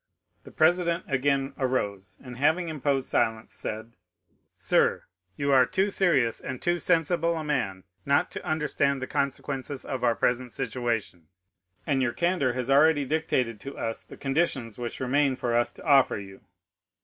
"'The president again arose, and having imposed silence, said,—"Sir, you are too serious and too sensible a man not to understand the consequences of our present situation, and your candor has already dictated to us the conditions which remain for us to offer you."